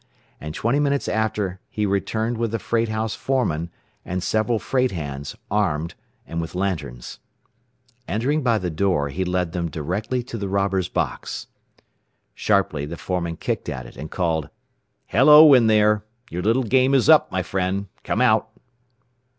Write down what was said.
And twenty minutes after he returned with the freight house foreman and several freight hands, armed, and with lanterns. Entering by the door, he led them directly to the robber's box. Sharply the foreman kicked at it, and called, "Hello, in there! Your little game is up, my friend! Come out!"